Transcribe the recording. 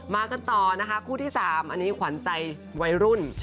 กันต่อนะคะคู่ที่๓อันนี้ขวัญใจวัยรุ่น